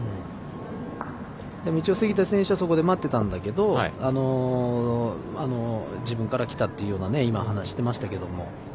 でも一応、杉田選手そこで待ってたんだけど自分から来たというような今、話をしていましたが。